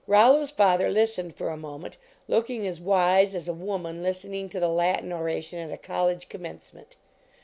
Rollo s father listened for a moment, look ing as wise as a woman listening to the Latin oration at a college commencement.